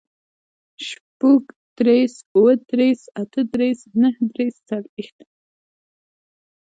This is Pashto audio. شپوږدېرس, اوهدېرس, اتهدېرس, نهدېرس, څلوېښت